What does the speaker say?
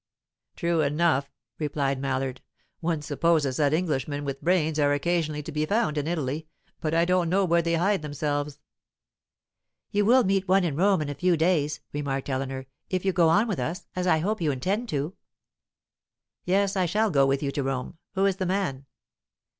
"True enough," replied Mallard. "One supposes that Englishmen with brains are occasionally to be found in Italy, but I don't know where they hide themselves." "You will meet one in Rome in a few days," remarked Eleanor, "if you go on with us as I hope you intend to?" "Yes, I shall go with you to Rome. Who is the man?"